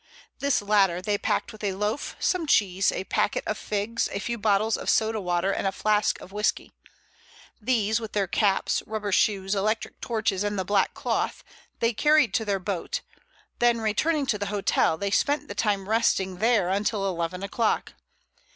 This latter they packed with a loaf, some cheese, a packet of figs, a few bottles of soda water and a flask of whisky. These, with their caps, rubber shoes, electric torches and the black cloth, they carried to their boat; then returning to the hotel, they spent the time resting there until eleven o'clock.